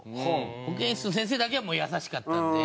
保健室の先生だけはもう優しかったんで。